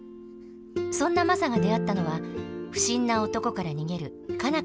そんなマサが出会ったのは不審な男から逃げる佳奈